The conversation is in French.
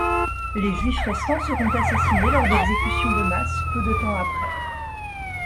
Les juifs restants seront assassinés lors d'exécutions de masse peu de temps après.